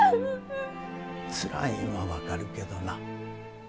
つらいんは分かるけどな。